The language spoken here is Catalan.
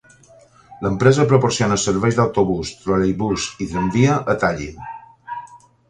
L'empresa proporciona serveis d'autobús, troleibús i tramvia a Tallinn.